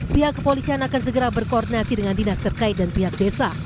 pihak kepolisian akan segera berkoordinasi dengan dinas terkait dan pihak desa